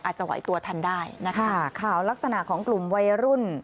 อาจจะไหวตัวทันได้นะคะข่าวลักษณะของกลุ่มวัยรุ่น